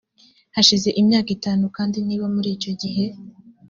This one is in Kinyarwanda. hashize imyaka itanu kandi niba muri icyo gihe